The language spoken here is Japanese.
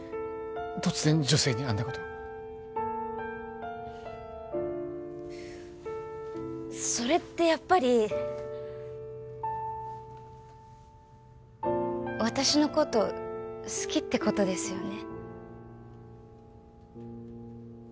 突然女性にあんなことそれってやっぱり私のこと好きってことですよね？